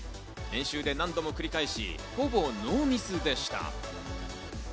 練習で何度も繰り返し、ほぼノーミスでした。